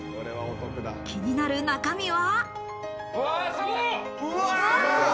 気になる中身は。